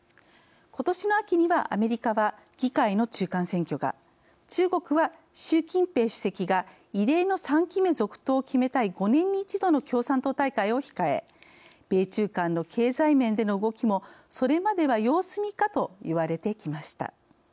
ことしの秋にはアメリカは議会の中間選挙が中国は習近平主席が異例の３期目続投を決めたい５年に１度の共産党大会を控え米中間の経済面での動きもそれまでは様子見かといわれてきました。